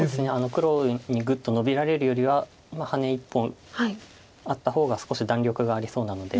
黒にグッとノビられるよりはハネ１本あった方が少し弾力がありそうなので。